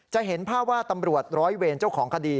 จะเห็นภาพว่าตำรวจร้อยเวรเจ้าของคดี